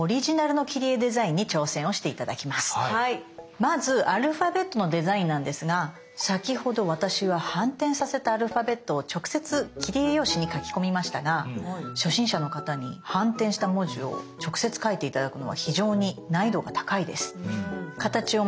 まずアルファベットのデザインなんですが先ほど私は反転させたアルファベットを直接切り絵用紙に描き込みましたが初心者の方に反転した文字を直接描いて頂くのは非常に難易度が高いです。